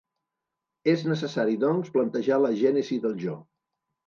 És necessari, doncs, plantejar la gènesi del jo.